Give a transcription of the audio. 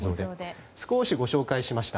少しご紹介しました。